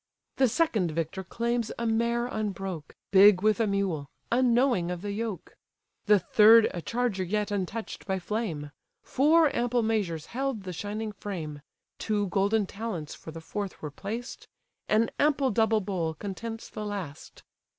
The second victor claims a mare unbroke, Big with a mule, unknowing of the yoke: The third, a charger yet untouch'd by flame; Four ample measures held the shining frame: Two golden talents for the fourth were placed: An ample double bowl contents the last.